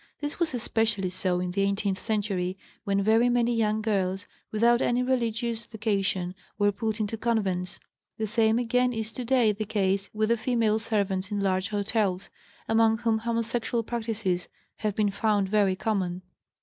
This was especially so in the eighteenth century when very many young girls, without any religious vocation, were put into convents. The same again is today the case with the female servants in large hotels, among whom homosexual practices nave been found very common.